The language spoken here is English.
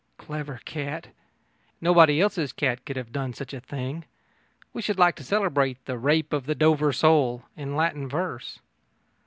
Clever cat! Nobody else's cat could have done such a thing. We should like to celebrate the Rape of the Dover Sole in Latin verse.